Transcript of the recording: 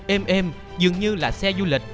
êm êm dường như là xe du lịch